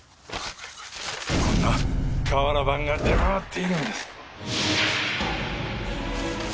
こんな瓦版が出回っているんです。